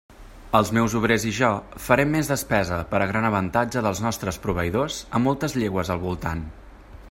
Els meus obrers i jo farem més despesa per a gran avantatge dels nostres proveïdors a moltes llegües al voltant.